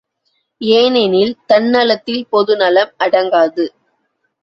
ஏனெனில் தன்னலத்தில் பொது நலம் அடங்காது.